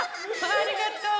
ありがとう。